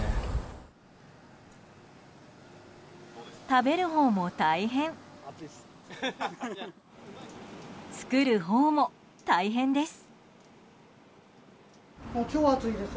食べるほうも大変作るほうも大変です。